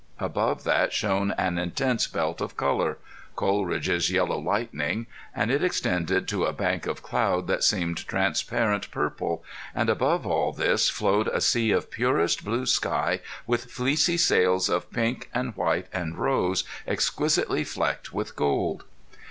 Above that shone an intense belt of color Coleridge's yellow lightning and it extended to a bank of cloud that seemed transparent purple, and above all this flowed a sea of purest blue sky with fleecy sails of pink and white and rose, exquisitely flecked with gold.